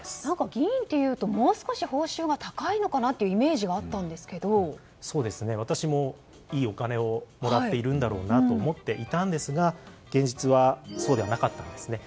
議員というともう少し報酬が高いのかなという私も、いいお金をもらっているんだろうなと思っていたんですが現実はそうではなかったんですね。